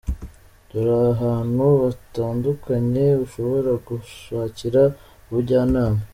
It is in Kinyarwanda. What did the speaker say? Dore ahantu hatandukanye ushobora gushakira ubujyanama:.